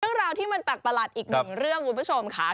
เรื่องราวที่มันแปลกประหลาดอีกหนึ่งเรื่องคุณผู้ชมค่ะ